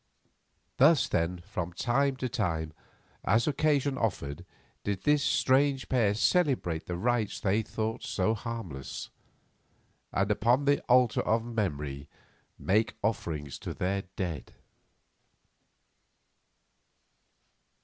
Thus, then, from time to time, as occasion offered, did this strange pair celebrate the rites they thought so harmless, and upon the altar of memory make offerings to their dead.